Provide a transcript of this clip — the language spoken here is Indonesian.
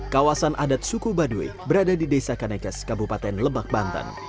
kawasan adat suku baduy berada di desa kanekes kabupaten lebak banten